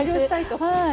はい。